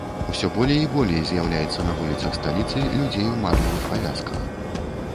Усё болей і болей з'яўляецца на вуліцах сталіцы людзей у марлевых павязках.